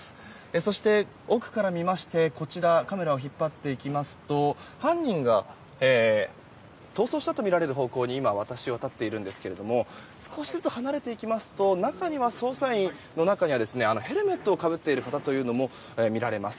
そして、奥から見ましてカメラを引っ張っていきますと犯人が逃走したとみられる方向に私は立っているんですけれども少しずつ離れていきますと捜査員の中にはヘルメットをかぶっている方も見られます。